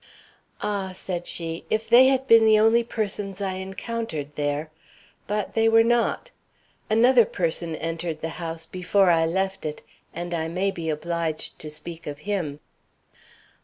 "Ah," said she, "if they had been the only persons I encountered there. But they were not. Another person entered the house before I left it, and I may be obliged to speak of him."